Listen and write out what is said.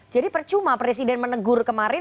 jadi percuma presiden menegur kemarin